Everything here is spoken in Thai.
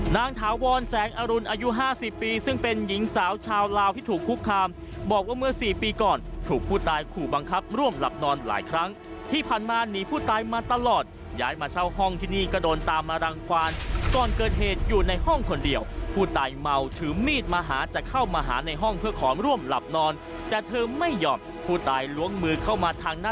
ถาวรแสงอรุณอายุ๕๐ปีซึ่งเป็นหญิงสาวชาวลาวที่ถูกคุกคามบอกว่าเมื่อสี่ปีก่อนถูกผู้ตายขู่บังคับร่วมหลับนอนหลายครั้งที่ผ่านมาหนีผู้ตายมาตลอดย้ายมาเช่าห้องที่นี่ก็โดนตามมารังความก่อนเกิดเหตุอยู่ในห้องคนเดียวผู้ตายเมาถือมีดมาหาจะเข้ามาหาในห้องเพื่อขอร่วมหลับนอนแต่เธอไม่ยอมผู้ตายล้วงมือเข้ามาทางหน้า